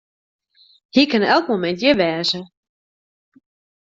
Hy kin ek elk momint hjir wêze.